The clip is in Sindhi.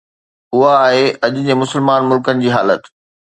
اها آهي اڄ جي مسلمان ملڪن جي حالت.